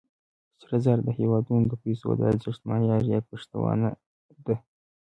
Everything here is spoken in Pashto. سره زر د هېوادونو د پیسو د ارزښت معیار یا پشتوانه ده.